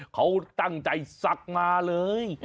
เขาตั้งใจซักมาเลย